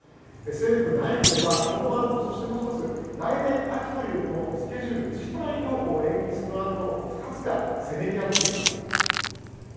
政府内部ではこの案と、そしてもう１つ来年秋というスケジュール自体を延期する案との２つがせめぎ合っていました。